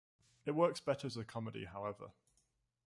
It works better as a comedy however.